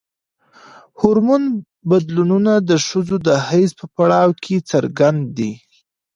هورمون بدلونونه د ښځو د حیض په پړاو کې څرګند دي.